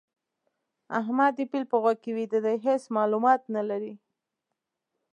احمد د پيل په غوږ کې ويده دی؛ هيڅ مالومات نه لري.